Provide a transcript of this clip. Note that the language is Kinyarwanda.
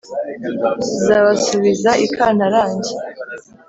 zabasubiza ikantarange